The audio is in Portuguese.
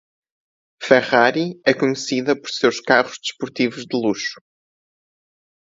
Ferrari é conhecida por seus carros esportivos de luxo.